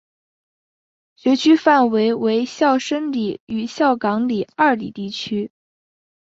学区范围为孝深里与孝冈里二里地区。